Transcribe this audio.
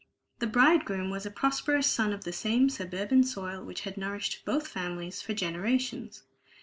The bridegroom was a prosperous son of the same suburban soil which had nourished both families for generations.